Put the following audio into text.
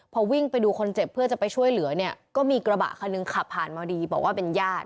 พอวิ่งไปดูคนเจ็บเพื่อจะไปช่วยเหลือเนี่ยก็มีกระบะคันหนึ่งขับผ่านมาดีบอกว่าเป็นญาติ